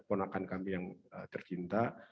ponakan kami yang tercinta